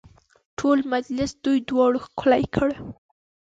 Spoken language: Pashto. ټول مجلس دوی دواړو ښکلی کړ.